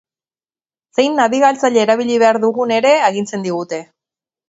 Zein nabigatzaile erabili behar dugun ere agintzen digute.